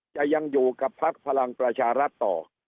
จะยังอยู่กับพักพลังประชารัฐต่อ